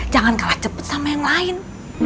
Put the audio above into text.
jangan kalah cepat sama yang lain